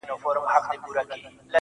په يوه جـادو دي زمـــوږ زړونه خپل كړي.